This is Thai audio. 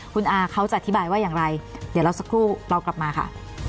คุณอาเขาจะอธิบายว่าอย่างไรเดี๋ยวเราสักครู่เรากลับมาค่ะ